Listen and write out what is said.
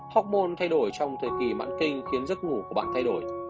hormone thay đổi trong thời kỳ mãn kinh khiến giấc ngủ của bạn thay đổi